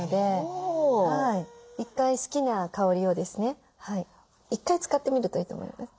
一回好きな香りをですね一回使ってみるといいと思います。